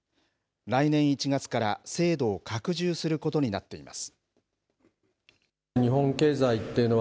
来年１月から、制度を拡充することになっています。